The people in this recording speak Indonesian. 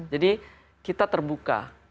jadi kita terbuka